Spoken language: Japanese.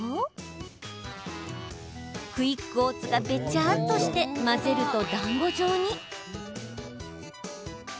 オーツがべちゃっとして混ぜるとだんご状に。